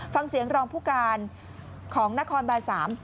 ฟังเสียงรองผู้การของนครบาน๓